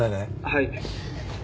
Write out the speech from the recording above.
はい。